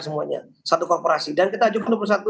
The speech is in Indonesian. semuanya satu korporasi dan kita ajukan